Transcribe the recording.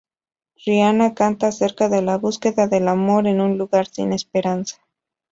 Rihanna canta acerca de la búsqueda del amor en un lugar sin esperanza.